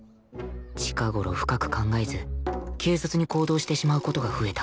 近頃深く考えず軽率に行動してしまう事が増えた